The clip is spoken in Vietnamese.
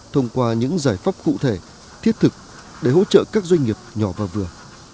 thông qua những giải pháp cụ thể thiết thực để hỗ trợ các doanh nghiệp nhỏ và vừa